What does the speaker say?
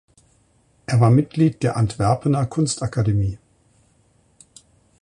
Er war Mitglied der Antwerpener Kunstakademie.